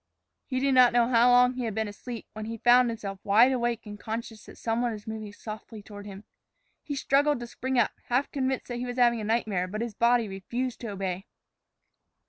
He did not know how long he had been asleep when he found himself wide awake and conscious that some one was moving softly toward him. He struggled to spring up, half convinced that he was having a nightmare, but his body refused to obey.